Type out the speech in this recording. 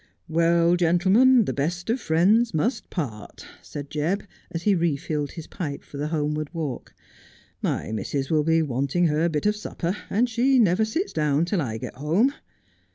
' Well, gentlemen, the best of friends must part,' said Jebb, as he refilled his pipe for the homeward walk. ' My missus will be wanting her bit of supper, and she never sits down till I get home.